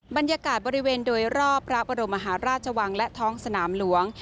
บรรยากาศบริเวณโดยรอบพระบรมมหาราชวังและท้องสนามหลวง